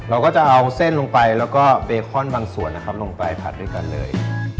เราก็จะเอาเส้นลงไปแล้วก็เบคอนบางส่วนนะครับลงไปผัดด้วยกันเลย